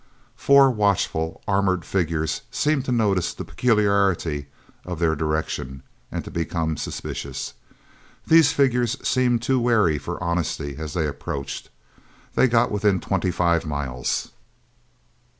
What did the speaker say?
Four watchful, armored figures seemed to notice the peculiarity of their direction, and to become suspicious. These figures seemed too wary for honesty as they approached. They got within twenty five miles.